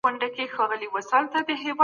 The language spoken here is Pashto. دیني شعور د انسان ذهن روښانه کوي.